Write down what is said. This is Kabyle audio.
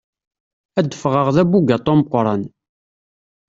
Ad ffɣeɣ d abugaṭu ameqqran.